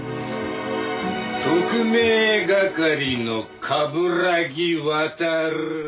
特命係の冠城亘。